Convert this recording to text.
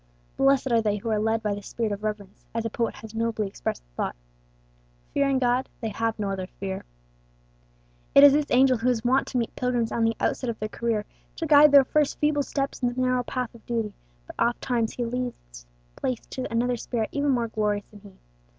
Blessed are they who are led by this spirit of reverence, as a poet has nobly expressed the thought, "Fearing God, they have no other fear." It is this angel who is wont to meet pilgrims on the outset of their career, to guide their first feeble steps in the narrow path of duty; but oftentimes he yields place to another spirit even more glorious than he.